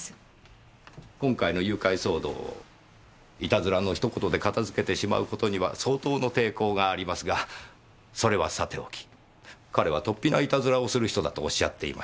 今回の誘拐騒動を悪戯のひと言で片付けてしまう事には相当の抵抗がありますがそれはさておき彼は突飛な悪戯をする人だとおっしゃっていましたね。